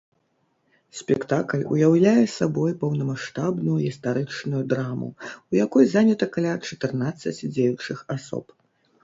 Спектакль уяўляе сабой поўнамаштабную гістарычную драму, у якой занята каля чатырнаццаці дзеючых асоб.